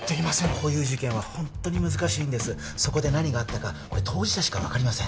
こういう事件はホントに難しいそこで何があったか当事者しか分かりません